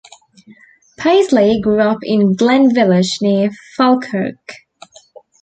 Paisley grew up in Glen Village near Falkirk.